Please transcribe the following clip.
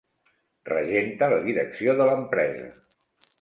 Regenta la direcció de l'empresa.